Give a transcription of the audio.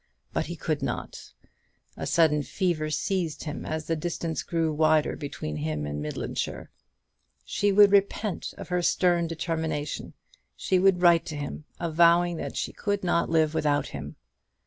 But he could not: a sudden fever seized him as the distance grew wider between him and Midlandshire. She would repent of her stern determination: she would write to him, avowing that she could not live without him.